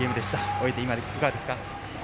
終えて、今いかがですか？